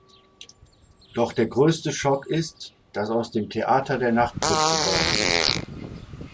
Doch der größte Schock ist, dass aus dem Theater der Nachtclub geworden ist.